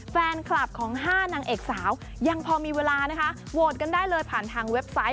แฟนคลับของ๕นางเอกสาวยังพอมีเวลานะคะโหวตกันได้เลยผ่านทางเว็บไซต์